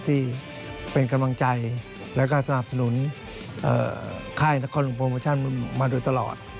ที่เป็นกำลังใจแล้วก็สนับสนุนค่ายนครหลวงโปรโมชั่นมาโดยตลอด